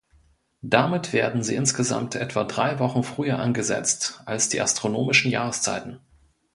Damit werden sie insgesamt etwa drei Wochen früher angesetzt als die astronomischen Jahreszeiten.